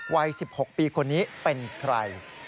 วัย๑๖ปีคนนี้เป็นใคร